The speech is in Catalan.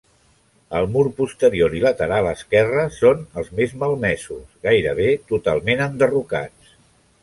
El mur posterior i lateral esquerre són els més malmesos, gairebé totalment enderrocats.